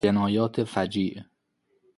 جنایت فجیع